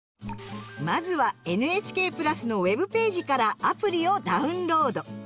まずは「ＮＨＫプラス」のウェブページからアプリをダウンロード。